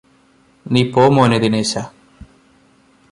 നീ പോ മോനെ ദിനേശാ